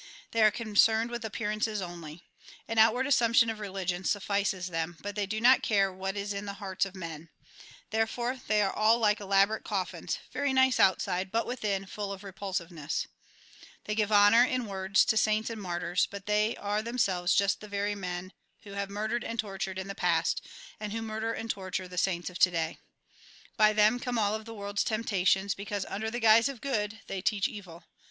They are concerned with appearances only. An outward assumption of religion suffices them, but they do not care what is in the hearts of men. Therefore they are like elaborate coffins, very nice outside, but within full of repulsiveness They give honour, in words, to saints and martyrs, but they are themselves just the very men who have murdered and tortured in the past, and who murder and torture the saints of to day By them come all the world's temptations ; because, luider the guise of good, they teach evil.